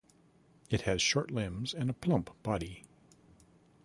It has short limbs, and a plump body.